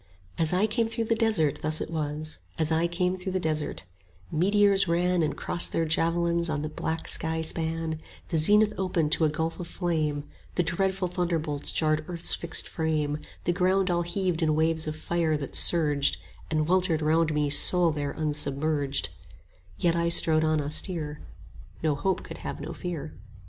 As I came through the desert thus it was, As I came through the desert: Meteors ran 35 And crossed their javelins on the black sky span; The zenith opened to a gulf of flame, The dreadful thunderbolts jarred earth's fixed frame; The ground all heaved in waves of fire that surged And weltered round me sole there unsubmerged: 40 Yet I strode on austere; No hope could have no fear.